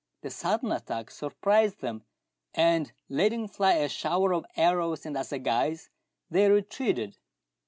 The sudden attack surprised them, and, letting fly a shower of arrows and assagais, they retreated.